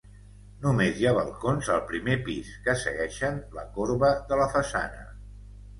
Només hi ha balcons al primer pis que segueixen la corba de la façana.